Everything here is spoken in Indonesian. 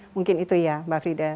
mungkin itu ya mbak frida